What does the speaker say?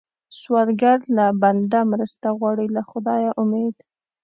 سوالګر له بنده مرسته غواړي، له خدایه امید